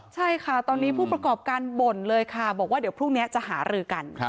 ใช่ค่ะตอนนี้ผู้ประกอบการบ่นเลยค่ะบอกว่าเดี๋ยวพรุ่งนี้จะหารือกัน